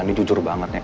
ini jujur banget nih